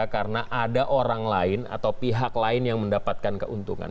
karena ada orang lain atau pihak lain yang mendapatkan keuntungan